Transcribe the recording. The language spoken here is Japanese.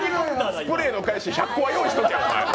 スプレーの返し、１００個は用意しとけ。